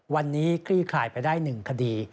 วันนี้คลี่คลายไปได้๑คดี